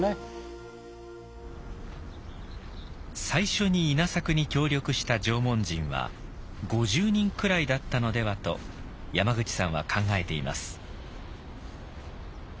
最初に稲作に協力した縄文人は５０人くらいだったのではと山口さんは考えています。